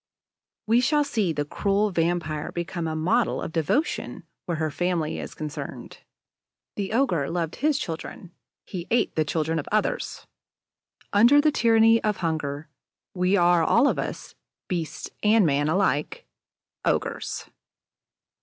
We shall see the cruel vampire become a model of devotion where her family is concerned. The ogre loved his children; he ate the children of others. Under the tyranny of hunger, we are all of us, beasts and men alike, ogres.